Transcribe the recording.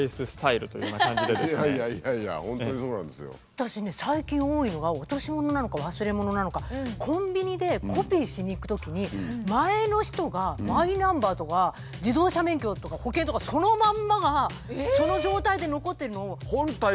私ね最近多いのが落とし物なのか忘れ物なのかコンビニでコピーしに行くときに前の人がマイナンバーとか自動車免許とか保険とかそのまんまがその状態で残ってるのを。